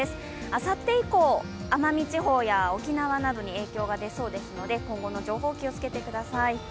あさって以降、奄美地方や沖縄などに影響が出そうですので今後の情報、気をつけてください。